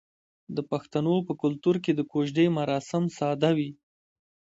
د پښتنو په کلتور کې د کوژدې مراسم ساده وي.